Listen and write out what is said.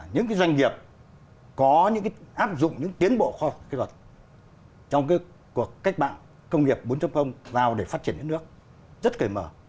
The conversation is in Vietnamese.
những cái doanh nghiệp có những áp dụng những tiến bộ khoa học kế hoạch trong cái cuộc cách mạng công nghiệp bốn vào để phát triển những nước rất cởi mở